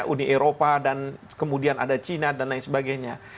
uni eropa dan kemudian ada cina dan lain sebagainya